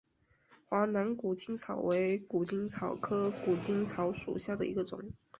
华南谷精草为谷精草科谷精草属下的一个种。